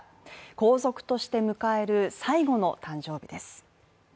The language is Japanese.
皇族として迎える最後の誕生日です。